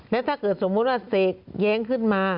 แล้วถ้าเกิดสมมุติว่าเสกแย้งขึ้นมา